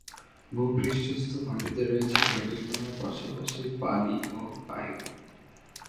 ভূ-পৃষ্ঠস্থ মাটিতে রয়েছে মাটির কণার পাশাপাশি পানি ও বায়ু।